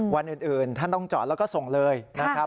วันอื่นท่านต้องจอดแล้วก็ส่งเลยนะครับ